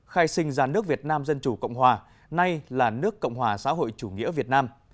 khai sinh ra nước việt nam dân chủ cộng hòa nay là nước cộng hòa xã hội chủ nghĩa việt nam